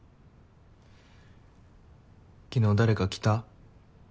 昨日誰か来た？